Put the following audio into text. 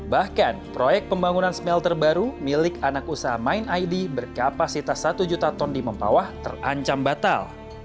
bahkan proyek pembangunan smelter baru milik anak usaha mind id berkapasitas satu juta ton di mempawah terancam batal